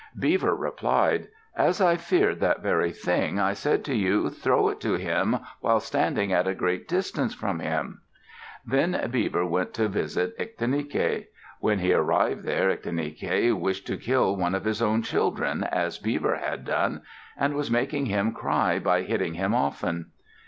Beaver replied, "As I feared that very thing, I said to you, 'Throw it to him while standing at a great distance from him.'" Then Beaver went to visit Ictinike. When he arrived there, Ictinike wished to kill one of his own children, as Beaver had done, and was making him cry by hitting him often.